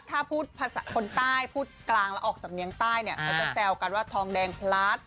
ถ้าพูดคนใต้พูดกลางแล้วออกศำเนียงใต้จะแซวกันว่าทองแดงพลัด